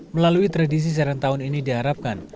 melalui tradisi seretan tahun ini diharapkan